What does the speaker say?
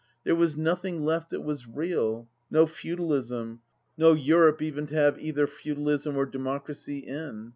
There was nothing left that was real — ^no feudalism, no Europe even to have either Feudalism or Democracy in.